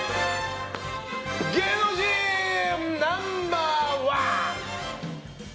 芸能人ナンバー１。